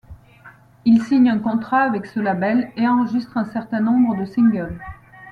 Il signe un contrat avec ce label et enregistre un certain nombre de singles.